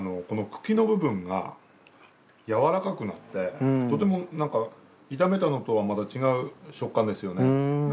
この茎の部分が柔らかくなってとてもなんか炒めたのとはまた違う食感ですよね。